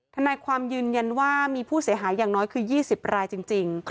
ทนายความยืนยันว่ามีผู้เสียหายอย่างน้อยคือ๒๐รายจริง